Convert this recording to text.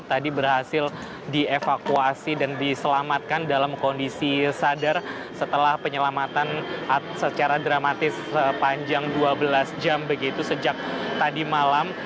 tadi berhasil dievakuasi dan diselamatkan dalam kondisi sadar setelah penyelamatan secara dramatis sepanjang dua belas jam begitu sejak tadi malam